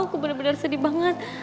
aku bener bener sedih banget